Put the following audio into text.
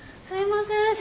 すいません。